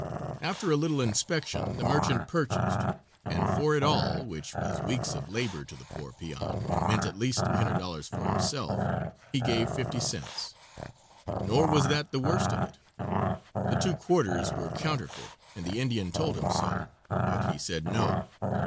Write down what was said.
After a little inspection the merchant purchased, and for it all, which was weeks of labor to the poor peon, and meant at least $300 for himself, he gave fifty cents. Nor was that the worst of it; the two quarters were counterfeit and the Indian told him so, but he said no.